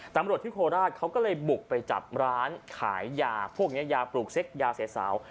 ตำรวจที่โคราชเขาก็เลยบุกไปจับร้านขายยาพวกนี้ยาปลูกเซ็กยาเสียสาว